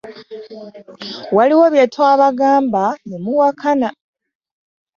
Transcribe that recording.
Waliwo bye twabagamba ne muwakana.